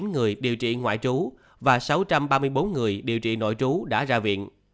ba trăm sáu mươi chín người điều trị ngoại trú và sáu trăm ba mươi bốn người điều trị nội trú đã ra viện